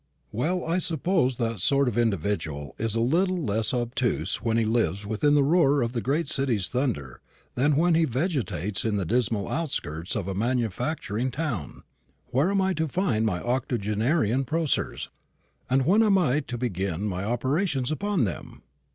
"Well, I suppose that sort of individual is a little less obtuse when he lives within the roar of the great city's thunder than when he vegetates in the dismal outskirts of a manufacturing town. Where am I to find my octogenarian prosers? and when am I to begin my operations upon them?"